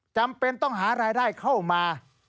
จำเป็นต้องหารายได้เข้ามา